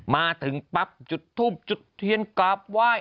มาถึงปั๊บจุดทูบจุดเทียนกราบไหว้